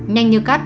nhanh như cắt